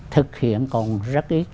thực hiện còn rất ít